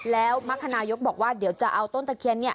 แล้วมรรคนายกบอกว่าเดี๋ยวจะเอาต้นตะเคียน